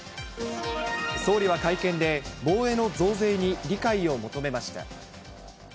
総理は会見で、防衛の増税に理解を求めました。